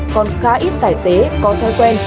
còn khá ít tài xế có thói quen